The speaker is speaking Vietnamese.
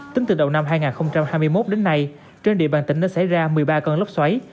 tính từ đầu năm hai nghìn hai mươi một đến nay trên địa bàn tỉnh đã xảy ra một mươi ba cơn lốc xoáy